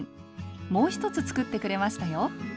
もう一つ作ってくれましたよ。